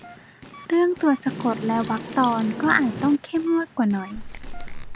เรื่องตัวสะกดและวรรคตอน ก็อาจต้องเข้มงวดกว่าหน่อย